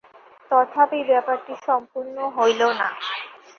তথাপি ব্যাপারটি সম্পূর্ণ হইল না।